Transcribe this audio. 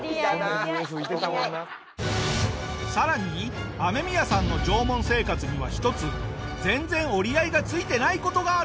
さらにアメミヤさんの縄文生活には１つ全然折り合いがついてない事があるんだ！